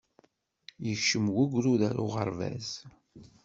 Yekcem wegrud ɣer uɣerbaz.